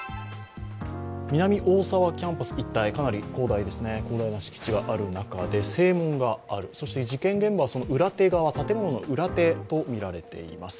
南大沢キャンパス一帯、かなり広大な敷地がある中で正門がある、そして事件現場、その裏手側建物の裏手とみられています。